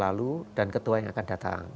lalu dan ketua yang akan datang